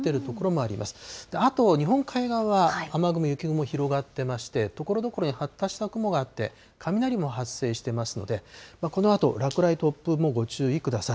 あと、日本海側は雨雲、雪雲広がってまして、ところどころに発達した雲があって、雷も発生してますので、このあと、落雷、突風もご注意ください。